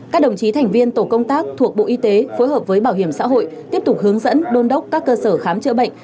các đồng chí thành viên tổ công tác thuộc bộ y tế phối hợp với bảo hiểm xã hội tiếp tục hướng dẫn đôn đốc các cơ sở khám chữa bệnh